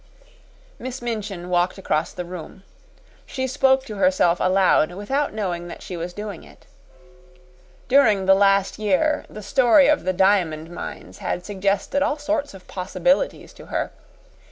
Miss Minchin walked across the room. She spoke to herself aloud without knowing that she was doing it. During the last year the story of the diamond mines had suggested all sorts of possibilities to her.